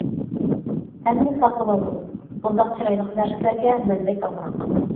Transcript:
ھەممىنى ساقلىۋالدىم، بۇنداق چىرايلىق نەرسىلەرگە مەن بەك ئامراق.